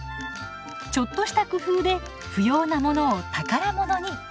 ちょっとした工夫で不要なものを宝物に。